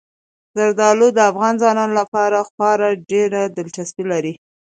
زردالو د افغان ځوانانو لپاره خورا ډېره دلچسپي لري.